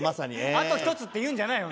「あとひとつ」って言うんじゃないよ